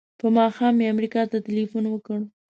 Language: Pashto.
په ماښام مې امریکا ته ټیلفون وکړ.